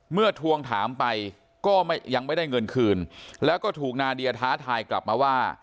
ทวงถามไปก็ยังไม่ได้เงินคืนแล้วก็ถูกนาเดียท้าทายกลับมาว่า